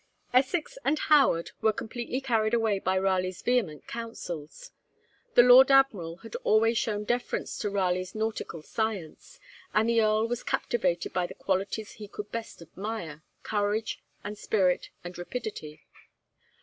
Essex and Howard were completely carried away by Raleigh's vehement counsels. The Lord Admiral had always shown deference to Raleigh's nautical science, and the Earl was captivated by the qualities he could best admire, courage and spirit and rapidity.